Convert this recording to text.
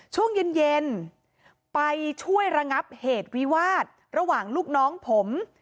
ช่วงเย็นไปช่วยระงับเหตุวิวาสระหว่างลูกน้องผม